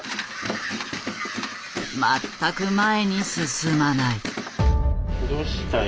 全く前に進まない。